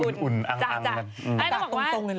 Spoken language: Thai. อุ่นอังนั้น